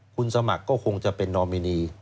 คุณสมัครก็คงจะเป็นนอมินี